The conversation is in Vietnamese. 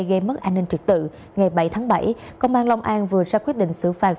gây mất an ninh trực tự ngày bảy tháng bảy công an long an vừa ra quyết định xử phạt